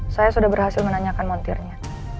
saya sudah berhasil menanyakan montirnya